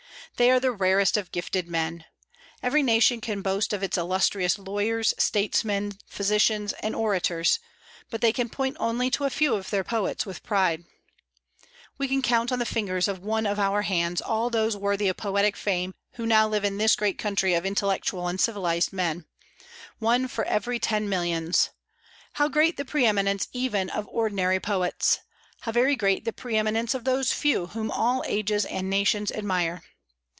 They are the rarest of gifted men. Every nation can boast of its illustrious lawyers, statesmen, physicians, and orators; but they can point only to a few of their poets with pride. We can count on the fingers of one of our hands all those worthy of poetic fame who now live in this great country of intellectual and civilized men, one for every ten millions. How great the pre eminence even of ordinary poets! How very great the pre eminence of those few whom all ages and nations admire!